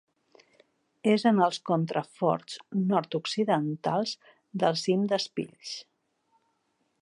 És en els contraforts nord-occidentals del cim d'Espills.